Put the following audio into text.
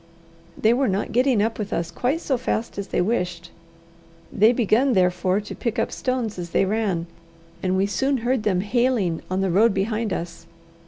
They were not getting up with us quite so fast as they wished; they began therefore to pick up stones as they ran, and we soon heard them hailing on the road behind us.